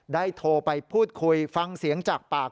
โทรไปพูดคุยฟังเสียงจากปาก